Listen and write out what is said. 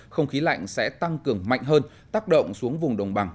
không khí lạnh sẽ tăng cường mạnh hơn tác động xuống vùng đồng bằng